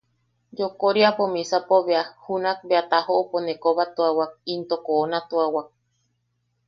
Yokooriapo misapo bea, junak bea tajoʼopo ne kobatuawak into koonatuawak.